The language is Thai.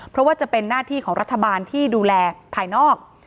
เพราะว่าจะเป็นหน้าที่ของรัฐบาลที่ดูแลภายนอก